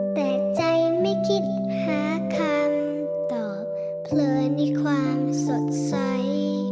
แต่ใจไม่คิดหาคำตอบเพลินในความสดใส